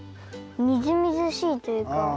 みずみずしいというか。